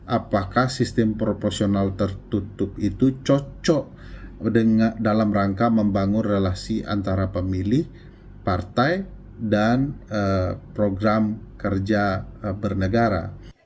apakah sistem proporsional tertutup itu cocok dalam rangka membangun relasi antara pemilih partai dan program kerja bernegara